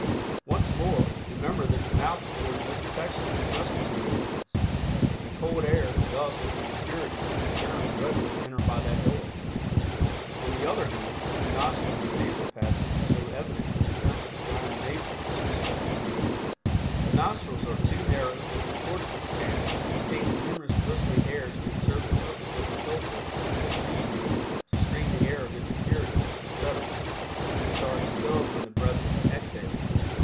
Once more, remember that the mouth affords no protection to the respiratory organs, and cold air, dust and impurities and germs readily enter by that door. On the other hand, the nostrils and nasal passages show evidence of the careful design of nature in this respect. The nostrils are two narrow, tortuous channels, containing numerous bristly hairs which serve the purpose of a filter or sieve to strain the air of its impurities, etc., which are expelled when the breath is exhaled.